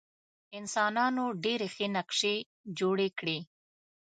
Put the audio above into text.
انسانانو ډېرې ښې نقشې جوړې کړې.